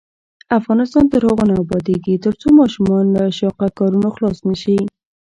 افغانستان تر هغو نه ابادیږي، ترڅو ماشومان له شاقه کارونو خلاص نشي.